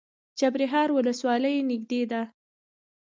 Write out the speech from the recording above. چپرهار ولسوالۍ نږدې ده؟